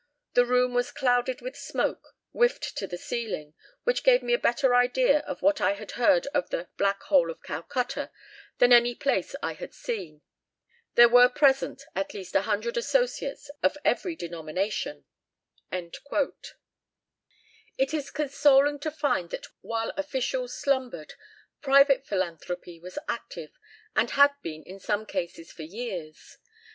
The room was clouded with smoke, whiffed to the ceiling, which gave me a better idea of what I had heard of the 'Black Hole of Calcutta' than any place I had seen. There were present at least a hundred associates of every denomination." It is consoling to find that while officials slumbered, private philanthropy was active, and had been in some cases for years.